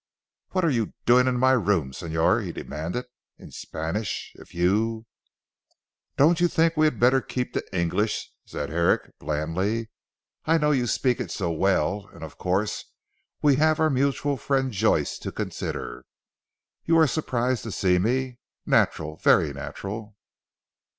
"What are you doing in my rooms Señor?" he demanded in Spanish. "If you " "Don't you think we had better keep to English?" said Herrick blandly. "I know you speak it so well, and of course we have our mutual friend Joyce to consider. You are surprised to see me. Natural, very natural."